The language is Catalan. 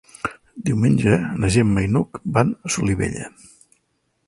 Diumenge na Gemma i n'Hug van a Solivella.